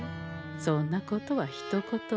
そんなことはひと言も。